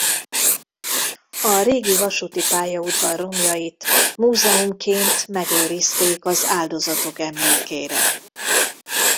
A régi vasúti pályaudvar romjait múzeumként megőrizték az áldozatok emlékére.